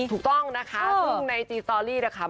ถูกต้องนะคะซึ่งในจีสตอรี่นะคะ